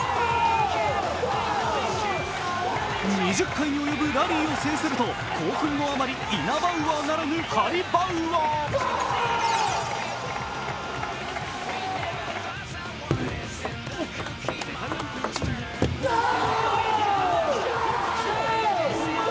２０回に及ぶラリーを制すると興奮のあまりイナバウアーならぬハリバウアー。